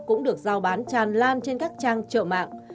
cũng được giao bán tràn lan trên các trang trợ mạng